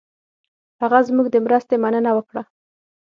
هغه زموږ د مرستې مننه وکړه.